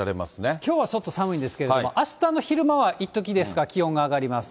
きょうはちょっと寒いんですけど、あしたの昼間はいっときですが、気温が上がります。